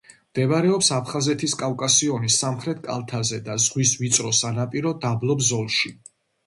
მდებარეობს აფხაზეთის კავკასიონის სამხრეთ კალთაზე და ზღვის ვიწრო სანაპირო დაბლობ ზოლში.